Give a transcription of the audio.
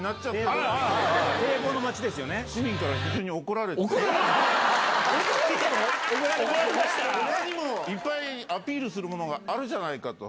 ほかにもいっぱいアピールするものがあるじゃないかと。